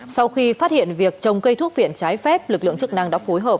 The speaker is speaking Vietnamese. sau khi phát hiện việc trồng cây thuốc viện trái phép lực lượng chức năng đã phối hợp